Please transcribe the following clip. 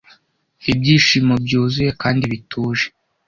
ibyishimo byuzuye kandi bituje